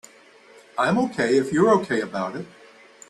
I'm OK if you're OK about it.